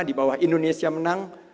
di bawah indonesia menang